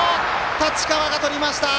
太刀川がとりました！